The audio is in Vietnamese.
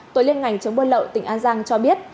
tối liên ngành chống buôn lậu tỉnh an giang cho biết